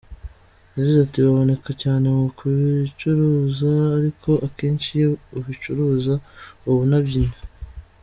Yagize ati “Baboneka cyane mu kubicuruza ariko akenshi iyo ubicururuza uba unabinywa.